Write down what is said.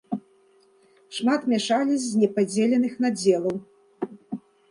Шмат мяшалі з непадзеленых надзелаў.